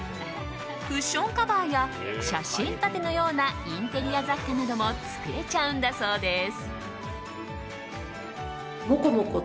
クッションカバーや写真立てのようなインテリア雑貨なども作れちゃうんだそうです。